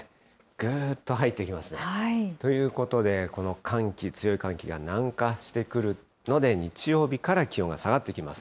ぐーっと入ってきますね。ということで、この寒気、強い寒気が南下してくるので、日曜日から気温が下がってきます。